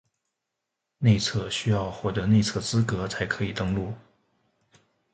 内测需要获得内测资格才可以登录